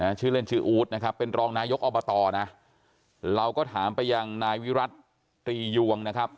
ชื่อเล่นชื่ออู๊ดนะครับเป็นรองนายกอบตนะเราก็ถามไปยังนายวิรัติตรียวงนะครับ